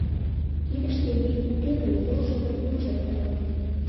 Кидыште вий уке гын, йолжо моткочак тале.